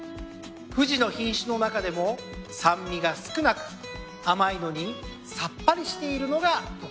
ふじの品種の中でも酸味が少なく甘いのにさっぱりしているのが特徴です。